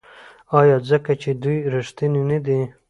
آیا ځکه چې دوی ریښتیني نه دي؟